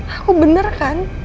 aku bener kan